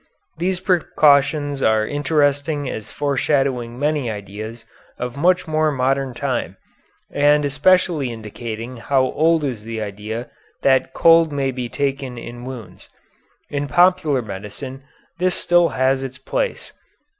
These precautions are interesting as foreshadowing many ideas of much more modern time and especially indicating how old is the idea that cold may be taken in wounds. In popular medicine this still has its place.